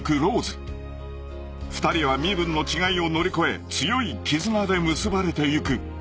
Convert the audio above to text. ［２人は身分の違いを乗り越え強い絆で結ばれてゆく］